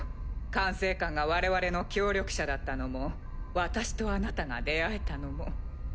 管制官が我々の協力者だったのも私とあなたが出会えたのも。